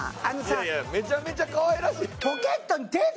いやいやめちゃめちゃ可愛らしい。